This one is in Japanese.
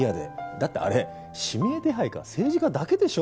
だってあれ指名手配か政治家だけでしょ